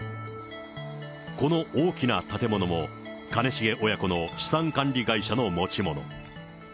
この大きな建物も、兼重親子の資産管理会社の持ち物。